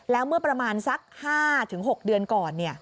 แล้วเมื่อประมาณสัก๕๖เดือนก่อน